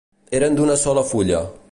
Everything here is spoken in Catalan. Eren d'una sola fulla.